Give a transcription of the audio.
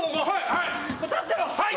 はいはい。